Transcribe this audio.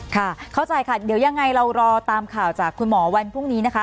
ค่ะเข้าใจค่ะเดี๋ยวยังไงเรารอตามข่าวจากคุณหมอวันพรุ่งนี้นะคะ